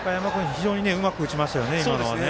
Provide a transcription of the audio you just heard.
非常にうまく打ちましたよね、今。